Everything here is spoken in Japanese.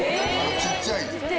小っちゃい。